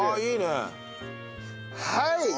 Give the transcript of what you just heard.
はい！